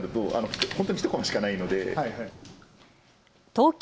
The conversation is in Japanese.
東京